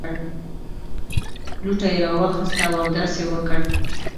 لوټه یې راواخیسته او اودس یې وکړ.